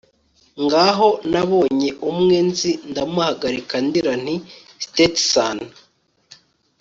Ngaho nabonye umwe nzi ndamuhagarika ndira nti Stetson